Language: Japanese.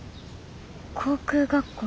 航空学校？